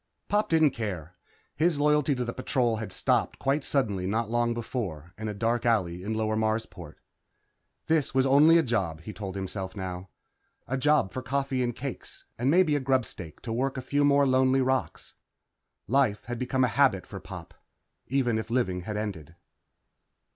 Pop didn't care. His loyalty to the Patrol had stopped quite suddenly not long before in a dark alley in Lower Marsport. This was only a job, he told himself now. A job for coffee and cakes, and maybe a grubstake to work a few more lonely rocks. Life had become a habit for Pop, even if living had ended.